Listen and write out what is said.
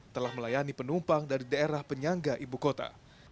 telah melayani penumpang dari daerah penyangga ibu kota